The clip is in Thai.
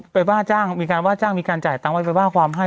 ว่าจ้างมีการว่าจ้างมีการจ่ายตังค์ไว้ไปว่าความให้